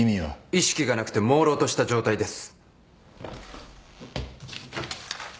意識がなくてもうろうとした状態です。